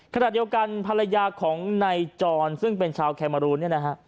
ขณะเดียวกันภรรยาของนายจรซึ่งเป็นชาวแคมารูนเนี่ยนะฮะ